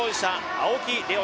青木玲緒